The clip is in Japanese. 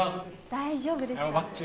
大丈夫でした？